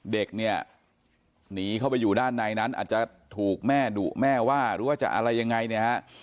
เด็กเนี่ยหนีเข้าไปอยู่ด้านในนั้นอาจจะถูกแม่ดุแม่ว่าหรือว่าจะอะไรยังไงเนี่ยฮะ